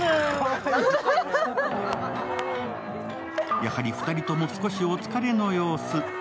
やはり２人とも、少しお疲れの様子。